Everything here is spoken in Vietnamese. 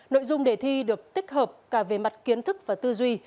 nội dung đề thi được tích hợp cả về mặt kiến thức và tư duy